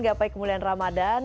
gapai kemuliaan ramadhan